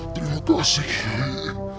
terima kasih kiai